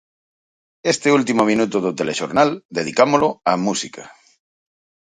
Este último minuto do telexornal dedicámolo á música.